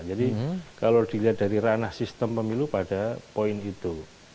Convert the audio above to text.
kalau dilihat dari ranah sistem pemilu pada poin itu